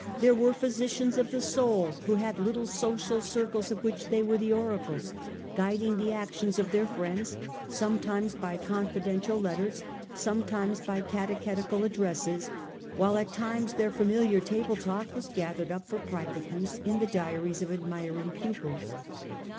There were physicians of the soul, who had their little social circles of which they were the oracles^ guiding the actions of their friends, sometimes by con fidential letters, sometimes by catechetical addresses^ while at times their familiar table talk was gathered up for private use in the diaries of admiring pupils.